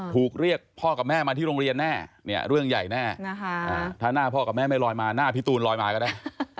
ถูกเรียกพ่อกับแม่มาที่โรงเรียนแน่เนี่ยเรื่องใหญ่แน่ถ้าหน้าพ่อกับแม่ไม่ลอยมาหน้าพี่ตูนลอยมาก็ได้